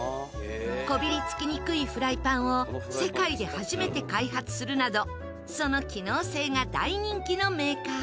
こびりつきにくいフライパンを世界で初めて開発するなどその機能性が大人気のメーカー。